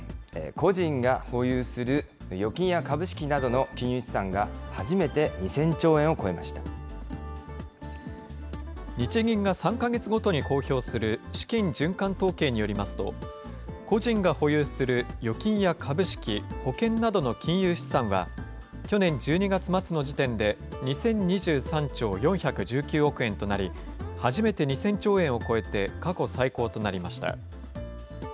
個人が保有する預金や株式などの金融資産が初めて２０００兆円を日銀が３か月ごとに公表する資金循環統計によりますと、個人が保有する預金や株式、保険などの金融資産は、去年１２月末の時点で、２０２３兆４１９億円となり、初めて２０００兆円を超えて、過去最高となりました。